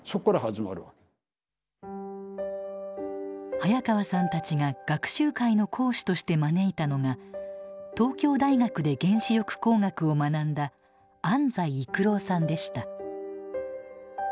早川さんたちが学習会の講師として招いたのが東京大学で原子力工学を学んだ安斎育郎さんでした。